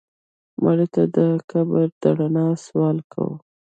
مړه ته د قبر د رڼا سوال کوو